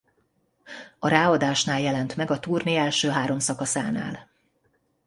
A ráadásnál jelent meg a turné első három szakaszánál.